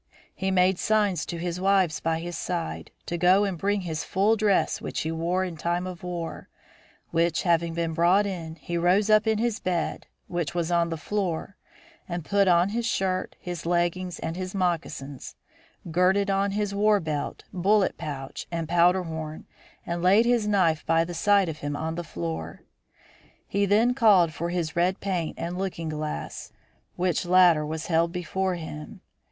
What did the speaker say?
He made signs to his wives by his side, to go and bring his full dress which he wore in time of war; which having been brought in, he rose up in his bed, which was on the floor, and put on his shirt, his leggings and his moccasins, girded on his war belt, bullet pouch and powder horn, and laid his knife by the side of him on the floor. "He then called for his red paint and looking glass, which latter was held before him.